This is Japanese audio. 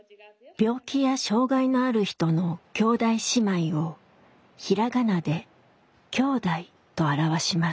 病気や障害のある人の兄弟姉妹を平仮名で「きょうだい」と表します。